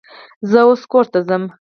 زه اوس کور ته ځمه.